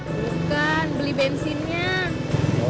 bukan beli bensinnya